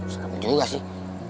seram juga sih